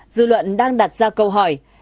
dư luận đang đặt ra câu hỏi